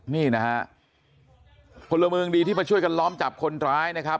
นี่นะฮะพลเมืองดีที่มาช่วยกันล้อมจับคนร้ายนะครับ